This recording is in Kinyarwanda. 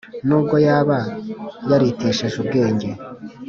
n ubwo yaba yaritesheje ubwenge